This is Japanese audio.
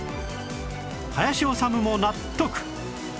林修も納得